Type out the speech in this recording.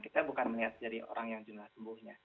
kita bukan melihat dari orang yang jumlah sembuhnya